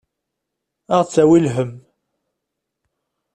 Ad aɣ-d-tawi lhemm.